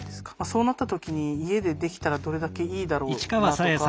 そうなった時に家でできたらどれだけいいだろうなとか。